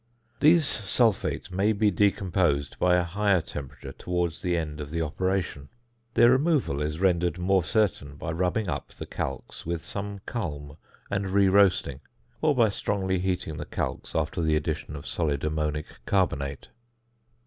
These sulphates may be decomposed by a higher temperature towards the end of the operation; their removal is rendered more certain by rubbing up the calx with some culm and re roasting, or by strongly heating the calx after the addition of solid ammonic carbonate.